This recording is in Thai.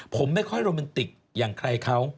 ผมไม่ค่อยโรแมนติกอย่างใครเขา